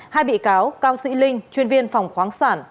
hai bị cáo cao sĩ linh chuyên viên phòng khoáng sản